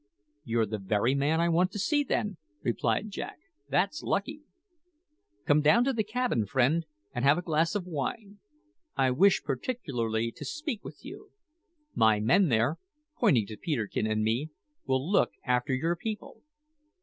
"You're the very man I want to see, then," replied Jack; "that's lucky. Come down to the cabin, friend, and have a glass of wine. I wish particularly to speak with you. My men there" pointing to Peterkin and me "will look after your people."